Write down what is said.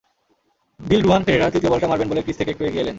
দিলরুয়ান পেরেরার তৃতীয় বলটা মারবেন বলে ক্রিজ থেকে একটু এগিয়ে এলেন।